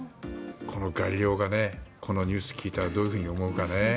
ガリレオがこのニュースを聞いたらどういうふうに思うかね